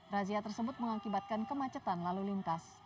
razia tersebut mengakibatkan kemacetan lalu lintas